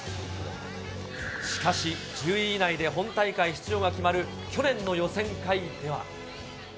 しかし１０位以内で本大会出場が決まる去年の予選会では。